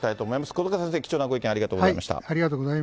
小塚先生、貴重なご意見、ありがとうございました。